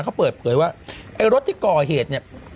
เขาเปิดเผยว่ารถที่ก่อเหตุ